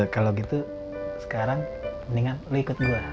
kalo gitu sekarang mendingan lu ikut gue